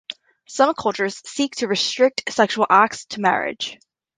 Some cultures seek to restrict sexual acts to marriage.